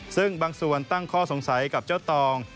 ซึ่งบางส่วนตั้งข้อสงสัยกับเจ้าตอง